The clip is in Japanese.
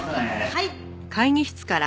はい！